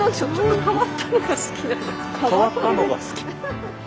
変わってんのが好き。